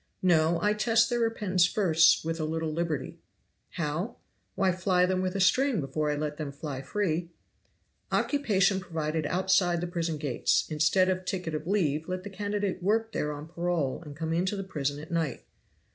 "No, I test their repentance first with a little liberty. "How? Why fly them with a string before I let them fly free! "Occupation provided outside the prison gates; instead of ticket of leave let the candidate work there on parole and come into the prison at night.